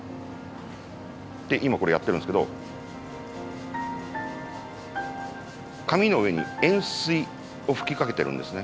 で今これやってるんですけど紙の上に塩水を吹きかけてるんですね。